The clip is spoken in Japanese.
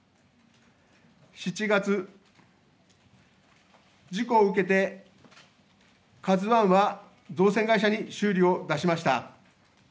７月、事故を受けてＫＡＺＵＩは造船会社に修理を出しました。